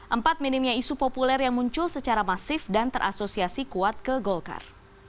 empat minimnya isu populer yang muncul secara masif dan terasosiasi kuat ke golkar